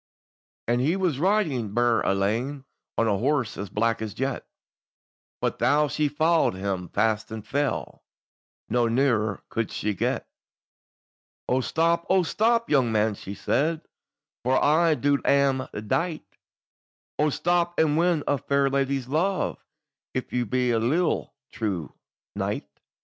And he was riding burd alane, On a horse as black as jet, But tho' she followed him fast and fell, No nearer could she get. "O stop! O stop! young man," she said; "For I in dule am dight; O stop, and win a fair lady's luve, If you be a leal true knight."